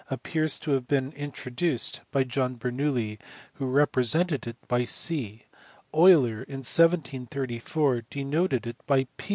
appears to have been introduced by John Bernoulli who repre sented it by c; Euler in 1734 denoted it by